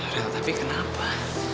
rel tapi kenapa